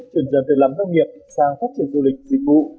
tuyển dần từ lắm nông nghiệp sang phát triển du lịch dịch vụ